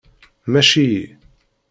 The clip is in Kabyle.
Mmac-iyi.